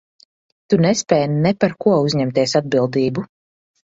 Tu nespēj ne par ko uzņemties atbildību.